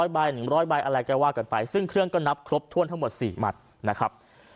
ใบ๑๐๐ใบอะไรก็ว่ากันไปซึ่งเครื่องก็นับครบถ้วนทั้งหมด๔หมัดนะครับ